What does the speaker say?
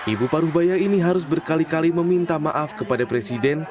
ibu paruh baya ini harus berkali kali meminta maaf kepada presiden